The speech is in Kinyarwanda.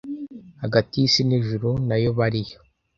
hagati y'isi n'ijuru nayo bariyo